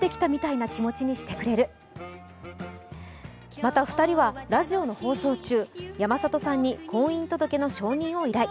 また２人はラジオの放送中、山里さんに婚姻届の証人を依頼。